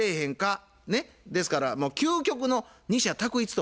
ねっですから究極の二者択一と。